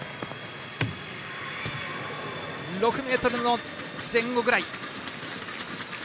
６ｍの前後ぐらい。